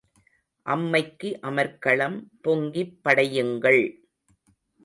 அம்மைக்கு அமர்க்களம் பொங்கிப் படையுங்கள்.